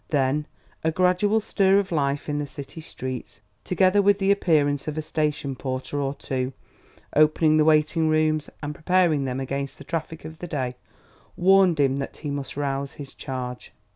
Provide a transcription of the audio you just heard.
Then a gradual stir of life in the city streets, together with the appearance of a station porter or two, opening the waiting rooms and preparing them against the traffic of the day, warned him that he must rouse his charge.